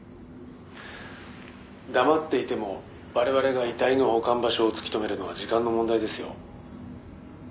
黙っていても我々が遺体の保管場所を突き止めるのは時間の問題ですよ。